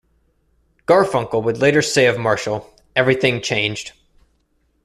Garfunkel would later say of Marshall, Everything changed.